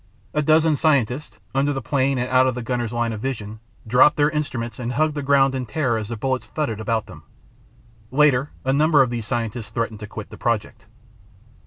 "A dozen scientists,... under the plane and out of the gunner's line of vision, dropped their instruments and hugged the ground in terror as the bullets thudded about them." Later a number of these scientists threatened to quit the project.